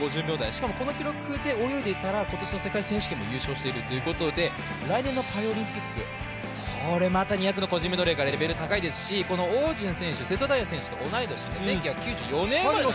しかもこの記録で泳いでいたら今年の世界選手権も優勝しているということで来年のパリオリンピック、これまた２００の個人メドレー、レベル高いですし汪順選手、瀬戸大也選手と同い年ですね。